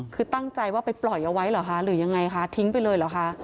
คือตั้งใจว่าไปปล่อยเอาไว้เหรอคะหรือยังไงคะทิ้งไปเลยเหรอคะ